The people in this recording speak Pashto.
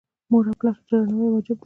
مور او پلار ته درناوی واجب دی